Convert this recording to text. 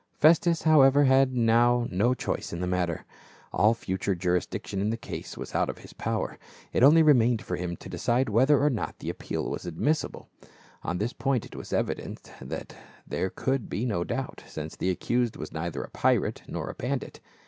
Festus, however, had now no choice in the matter; all future jurisdiction in the case was out of his power ; it only remained for him to decide whether or not the appeal was admissable ; on this point it was evident that there could be no doubt, since the accused was neither a pirate nor a bandit.